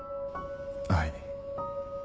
はい。